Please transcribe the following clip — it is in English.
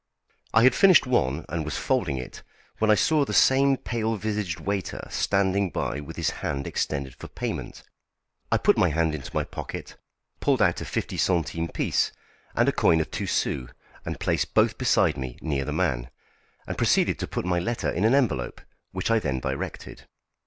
I had finished one, and was folding it, when I saw the same pale visaged waiter standing by with his hand extended for payment. I put my hand into my pocket, pulled out a fifty centimes piece and a coin of two sous, and placed both beside me, near the man, and proceeded to put my letter in an envelope, which I then directed.